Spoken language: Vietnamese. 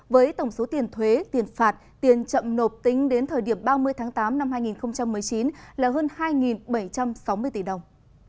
với tổng số tiền thuế tiền phạt tiền chậm nộp tính đến thời điểm ba mươi tháng tám năm hai nghìn một mươi chín là hơn hai bảy trăm sáu mươi tỷ đồng